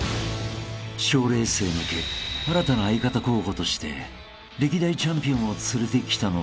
［賞レースへ向け新たな相方候補として歴代チャンピオンを連れてきたのだが］